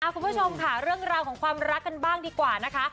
คุณผู้ชมค่ะเรื่องราวของความรักกันบ้างดีกว่านะคะ